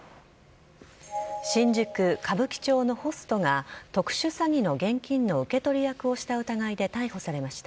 新宿・歌舞伎町のホストが、特殊詐欺の現金の受け取り役をした疑いで逮捕されました。